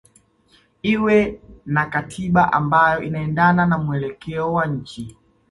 iwe na katiba ambayo inaendana na mwelekeo wa nchi